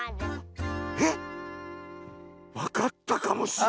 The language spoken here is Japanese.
えっ⁉わかったかもしれん。